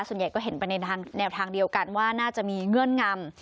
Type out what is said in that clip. ส่วนใหญ่ก็เห็นไปในแนวทางเดียวกันว่าน่าจะมีเงื่อนงำ